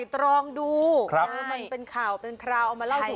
แต่ย้ำกันหน่อย